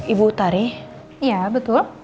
ibu utari iya betul